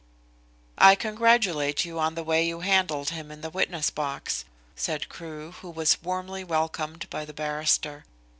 "I congratulate you on the way you handled him in the witness box," said Crewe, who was warmly welcomed by the barrister.